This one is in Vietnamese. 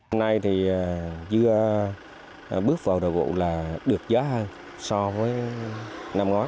hôm nay thì dưa bước vào đầu vụ là được giá hơn so với năm ngoái